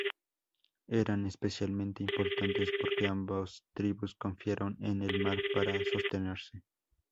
Eran especialmente importantes porque ambas tribus confiaron en el mar para sostenerse.